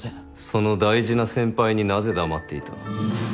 その大事な先輩になぜ黙っていた？